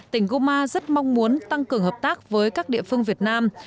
tỉnh guma rất mong muốn tăng cường hợp tác với các địa phương việt nam